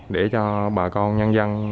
để cho bà con nhân dân